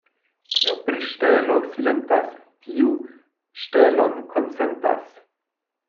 Kiu pri ŝtelo silentas, tiu ŝtelon konsentas.